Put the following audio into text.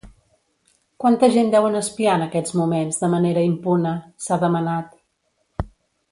Quanta gent deuen espiar en aquests moments de manera impune?, s’ha demanat.